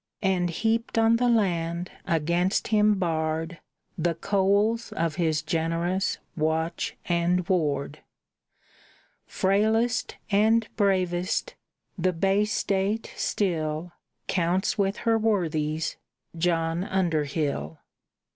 And heaped on the land against him barred The coals of his generous watch and ward. Frailest and bravest! the Bay State still Counts with her worthies John Underhill.